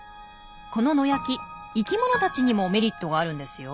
この野焼き生きものたちにもメリットがあるんですよ。